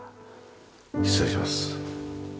失礼します。